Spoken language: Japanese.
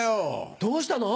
どうしたの？